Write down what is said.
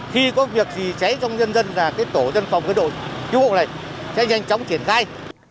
khi có việc gì cháy trong dân dân là tổ dân phòng đội cứu hộ này sẽ nhanh chóng triển khai